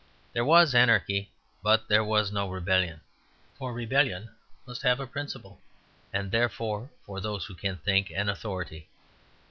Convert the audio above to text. There was anarchy, but there was no rebellion. For rebellion must have a principle, and therefore (for those who can think) an authority.